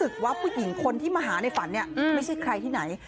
คนที่มาหาในฝันเนี่ยไม่ใช่ใครทีไหน